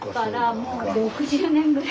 もう６０年ぐらい。